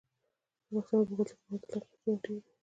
د پښتنو په کلتور کې د واده لګښتونه ډیر وي.